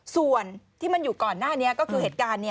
ส่วนที่มันอยู่ก่อนหน้านี้ก็คือเหตุการณ์